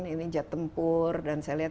ini jet tempur dan saya lihat